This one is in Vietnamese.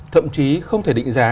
thậm chí không thể định giá